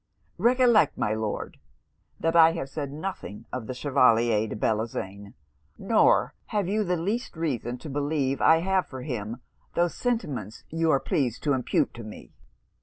Recollect, my Lord, that I have said nothing of the Chevalier de Bellozane, nor have you the least reason to believe I have for him those sentiments you are pleased to impute to me.'